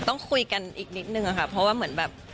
ต้องคุยกันอีกนิดนึงค่ะเพราะว่าเหมือนแบบ